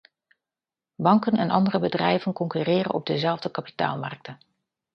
Banken en andere bedrijven concurreren op dezelfde kapitaalmarkten.